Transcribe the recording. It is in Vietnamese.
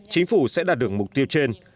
chính phủ sẽ đạt được mục tiêu trên